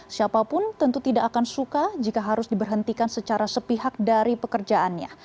siapapun tentu tidak akan suka jika harus diberhentikan secara sepihak dari pekerjaannya